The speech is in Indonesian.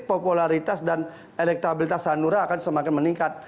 popularitas dan elektabilitas hanura akan semakin meningkat